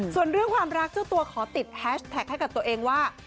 ส่วนเรื่องความรักเจ้าตัวขอติดแฮชแท็กให้กับตัวเองว่า